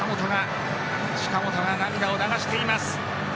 近本が涙を流しています。